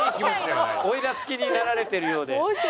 おイラつきになられてるようで。